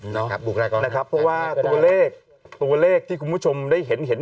นะครับบุคลายก่อนนะครับเพราะว่าตัวเลขตัวเลขที่คุณผู้ชมได้เห็นอยู่